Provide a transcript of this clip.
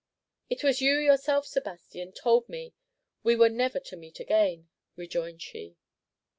"It was you yourself, Sebastian, told me we were never to meet again," rejoined she.